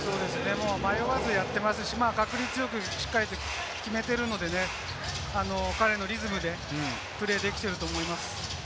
迷わずやっていますし、確率よく決めているので、彼のリズムでプレーできていると思います。